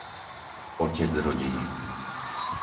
otec rodiny